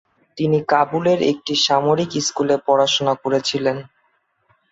তিনি কাবুলের একটি সামরিক স্কুলে পড়াশোনা করেছিলেন।